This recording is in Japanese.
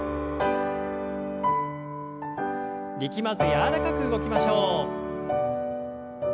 力まず柔らかく動きましょう。